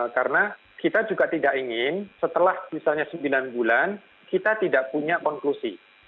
karena kita juga tidak ingin setelah misalnya sembilan bulan kita tidak punya konklusi